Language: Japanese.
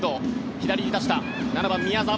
左に出した８番、宮澤。